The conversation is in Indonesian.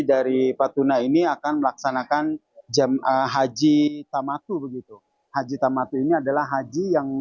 dari patunai ini akan melaksanakan jam aa haji ta ma qube gitu haji ta matrimi adalah haji yang